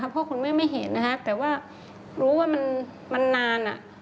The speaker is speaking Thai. เพราะว่าคุณแม่ไม่เห็นนะครับแต่ว่ารู้ว่ามันนาน